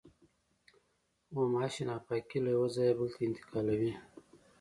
غوماشې ناپاکي له یوه ځایه بل ته انتقالوي.